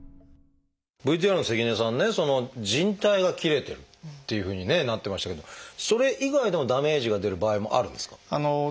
ＶＴＲの関根さんね靭帯が切れてるっていうふうにねなってましたけどそれ以外でもダメージが出る場合もあるんですか？